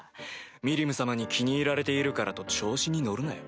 ミリム様に気に入られているからと調子に乗るなよ。